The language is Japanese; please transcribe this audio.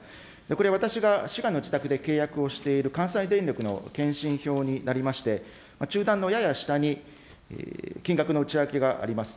これ、私が滋賀の自宅で契約をしている関西電力の検針票になりまして、中段のやや下に金額の内訳があります。